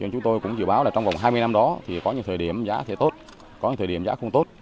chúng tôi cũng dự báo là trong vòng hai mươi năm đó thì có những thời điểm giá sẽ tốt có những thời điểm giá không tốt